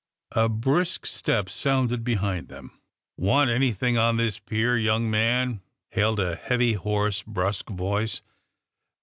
A brisk step sounded behind them. *^Want anything on this pier, young man?" hailed a heavy, hoarse, brusque voice.